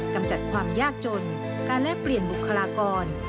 กำจัดความยากจนการแลกเปลี่ยนบุคลากร